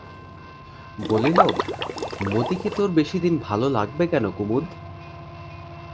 বলিল, মতিকে তোর বেশিদিন ভালো লাগবে কেন কুমুদ?